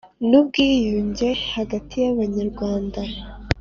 n ubwiyunge hagati y Abanyarwanda